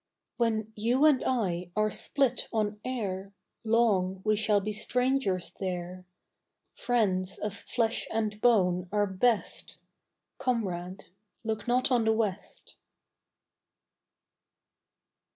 When you and I are split on air Long we shall be strangers there; Friends of flesh and bone are best; Comrade, look not on the west.